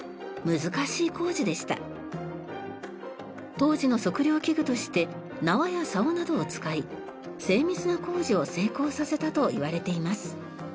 当時の測量器具として縄や竿などを使い精密な工事を成功させたといわれています。